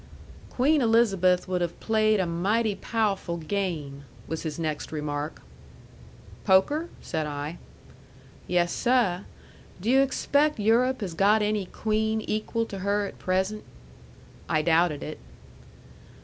"Queen Elizabeth would have played a mighty pow'ful game," was his next remark. "Poker?" said I. "Yes, seh. Do you expaict Europe has got any queen equal to her at present?" I doubted it.